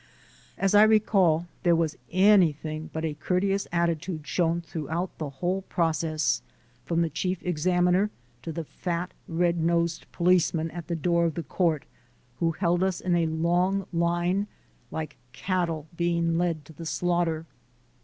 As I recall, there was anything but a courteous atti tude shown throughout the whole process, from the Chief Examiner to the fat, red nosed policeman at the door of the Court, who held us in a long line like cattle being led to the slaughter.